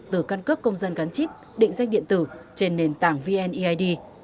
từ căn cước công dân gắn chip định danh điện tử trên nền tảng vneid